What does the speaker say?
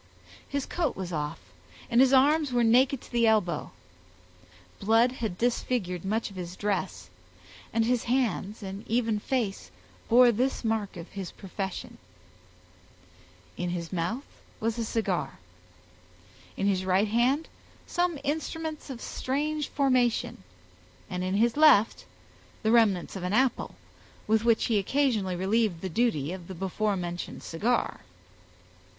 His coat was off, and his arms were naked to the elbow; blood had disfigured much of his dress, and his hands, and even face, bore this mark of his profession; in his mouth was a cigar; in his right hand some instruments of strange formation, and in his left the remnants of an apple, with which he occasionally relieved the duty of the before mentioned cigar.